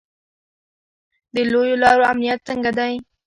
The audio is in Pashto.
د لویو لارو امنیت څنګه دی؟